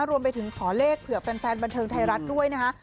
รวมไปถึงขอเลขเผื่อแฟนบันเทิงไทยรัฐด้วยนะคะ